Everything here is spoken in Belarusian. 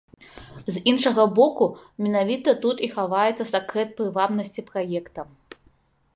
З іншага боку, менавіта тут і хаваецца сакрэт прывабнасці праекта.